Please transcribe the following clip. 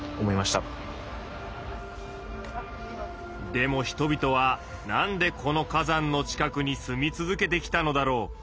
でも人々は何でこの火山の近くに住み続けてきたのだろう。